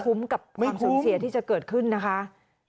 กับความสูญเสียที่จะเกิดขึ้นนะคะ